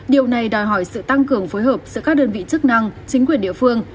điều này đòi hỏi sự tăng cường phối hợp giữa các đơn vị chức năng chính quyền địa phương